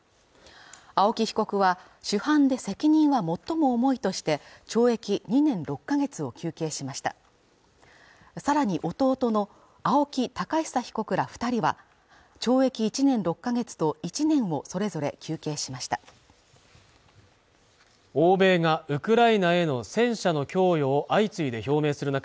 青木被告は主犯で責任は最も重いとして懲役２年６か月を求刑しましたさらに弟の青木宝久被告ら二人は懲役１年６か月と１年をそれぞれ求刑しました欧米がウクライナへの戦車の供与を相次いで表明する中